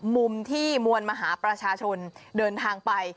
มุมที่มวลมหาประชาชนเดินทางไป